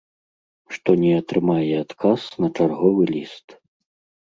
Што не атрымае адказ на чарговы ліст.